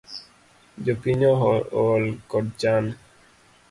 Jopiny ohol kod chan